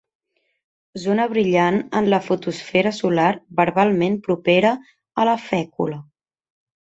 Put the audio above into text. Zona brillant en la fotosfera solar verbalment propera a la fècula.